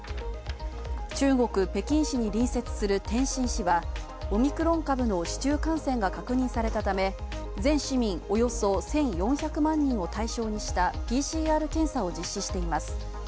中国・北京市に隣接する天津市はオミクロン株の市中感染が確認されたため、全市民およそ１４００万人を対象にしたＰＣＲ検査を実施しています。